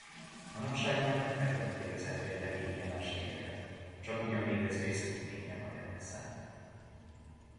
Manapság már megfejtették az efféle égi jelenségeket: a csakugyan létező északi fénnyel magyarázzák.